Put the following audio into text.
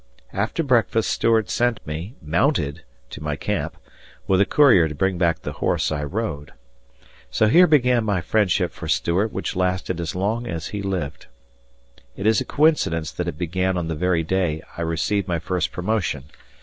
After breakfast Stuart sent me, mounted, to my camp, with a courier to bring back the horse I rode. So here began my friendship for Stuart which lasted as long as he lived. It is a coincidence that it began on the very day I received my first promotion.